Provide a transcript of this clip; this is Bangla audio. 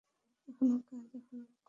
এখনো কাজ, কাজই করে যাবি?